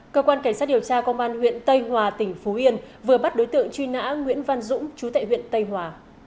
cơ quan cảnh sát điều tra công an huyện tây hòa tỉnh phú yên vừa bắt đối tượng truy nã nguyễn văn dũng chú tại huyện tây hòa